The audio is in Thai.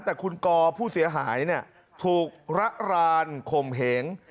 แต่คุณกอล์ฟผู้เสียหายเนี่ยถูกระรานคมเหง